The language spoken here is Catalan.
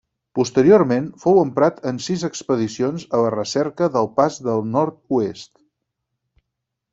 Posteriorment fou emprat en sis expedicions a la recerca del pas del Nord-oest.